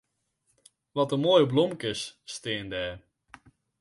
Wat in moaie blomkes steane dêr.